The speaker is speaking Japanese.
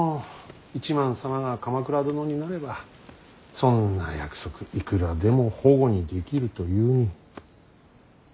一幡様が鎌倉殿になればそんな約束いくらでも反故にできるというに。